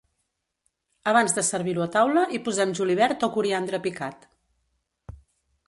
Abans de servir-ho a taula, hi posem julivert o coriandre picat.